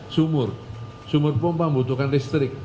sumur sumur pompa membutuhkan listrik